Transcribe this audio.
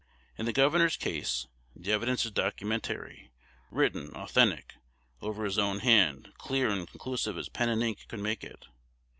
In the governor's case the evidence is documentary, written, authentic, over his own hand, clear and conclusive as pen and ink could make it.